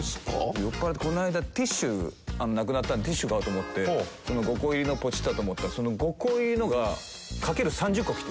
酔っ払ってこの間ティッシュなくなったんでティッシュ買おうと思って５個入りのポチったと思ったらその５個入りのがかける３０個来て。